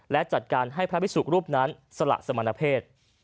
และจัดการให้พระพิสุรูปนั้นสละสมณเพศ